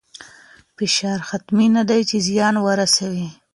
فشار حتمي نه دی چې زیان ورسوي.